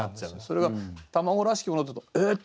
それが「卵らしきもの」だとえっ？